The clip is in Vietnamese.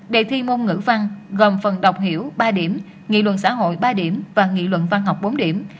đề thi môn ngữ văn gồm phần đọc hiểu ba điểm nghị luận xã hội ba điểm và nghị luận văn học bốn điểm